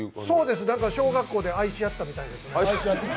そうです、小学校で愛し合ったみたいですね。